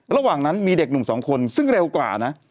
ระหว่างนั้นมีเด็กหนุ่มสองคนซึ่งเร็วกว่านะ